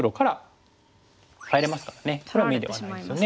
それは眼ではないですよね。